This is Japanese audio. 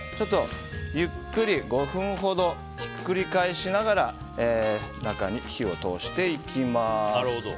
ゆっくり５分ほどひっくり返しながら中に火を通していきます。